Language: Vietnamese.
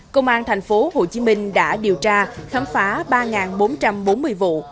công an tp hcm đã điều tra khám phá ba bốn trăm bốn mươi vụ